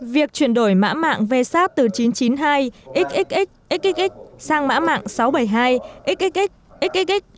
việc chuyển đổi mã mạng vsat từ chín trăm chín mươi hai xxx xxx sang mã mạng sáu trăm bảy mươi hai xxx xxx